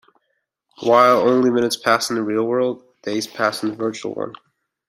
While only minutes pass in the real world, days pass in the virtual one.